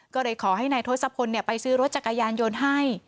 ก็เลยขอให้นายทศพลไปซื้อรถจักรยานยนต์ให้